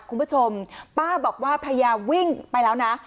คุณผู้ชมป้าบอกว่าพยายามวิ่งไปแล้วนะ